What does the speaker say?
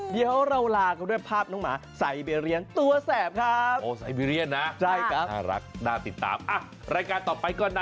เดี๋ยวเราลากันด้วยภาพสิบีเรียนตัวแทบครับ